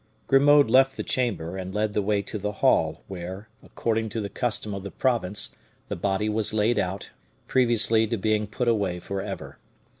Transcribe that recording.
Grimaud left the chamber, and led the way to the hall, where, according to the custom of the province, the body was laid out, previously to being put away forever.